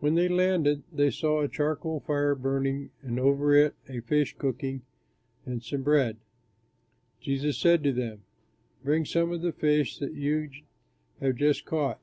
When they landed, they saw a charcoal fire burning, and over it a fish cooking, and some bread. Jesus said to them, "Bring some of the fish that you have just caught."